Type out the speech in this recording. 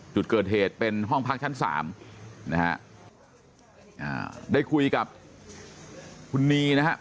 จุดเกิดเหตุเป็นห้องพักชั้นสามนะฮะอ่าได้คุยกับคุณนีนะครับ